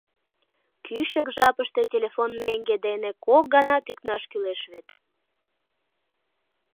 Кӱчык жапыште телефон меҥге дене кок гана тӱкнаш кӱлеш вет.